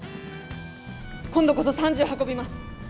今度こそ３０運びます。